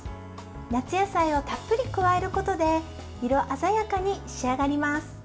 夏野菜をたっぷり加えることで色鮮やかに仕上がります。